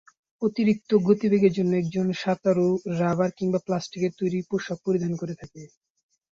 অতিরিক্ত গতিবেগের জন্য একজন সাঁতারু রাবার কিংবা প্লাস্টিকের তৈরী পোশাক পরিধান করে থাকেন।